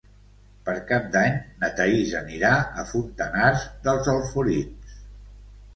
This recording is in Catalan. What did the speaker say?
Per Cap d'Any na Thaís anirà a Fontanars dels Alforins.